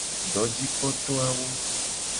Dojikpoto awo.